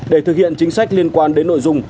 để thực hiện chính sách liên quan đến nội dung